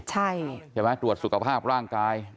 ชอบจะตรวจสุขภาพร่างกาย